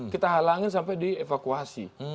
kita halangin sampai dievakuasi